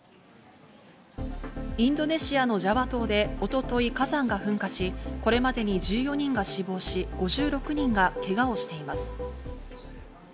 インドネシアのジャワ島で一昨日、火山が噴火し、これまでに１４人が死亡し、５６人がけがをしています。